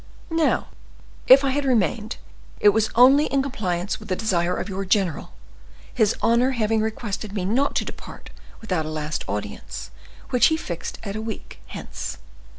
Now, if I have remained, it was only in compliance with the desire of your general; his honor having requested me not to depart without a last audience, which he fixed at a week hence.